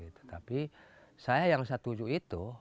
tetapi saya yang setuju itu